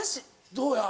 どうや？